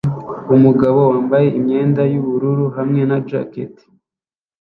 Umugabo wambaye imyenda yubururu hamwe na jacket